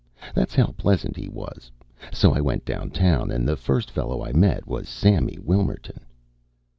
That's how pleasant he was. So I went downtown, and the first fellow I met was Sammy Wilmerton."